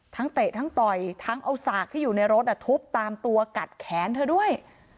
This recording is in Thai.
เตะทั้งต่อยทั้งเอาสากที่อยู่ในรถทุบตามตัวกัดแขนเธอด้วย